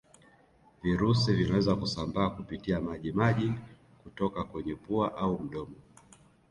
Virusi vinaweza kusambaa kupitia maji maji kutoka kwenye pua au mdomo